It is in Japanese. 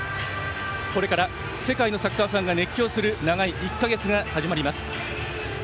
これから世界のサッカーファンが熱狂する長い１か月が始まります。